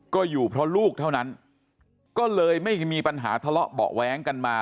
ก็อยู่เพราะลูกเท่านั้นก็เลยไม่มีปัญหาทะเลาะเบาะแว้งกันมา